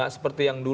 tapi sudah ada waktu